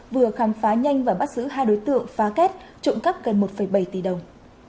vừa khám phá nhanh và bắt giữ hai đối tượng phá kết trụng cấp gần một bảy tỷ đồng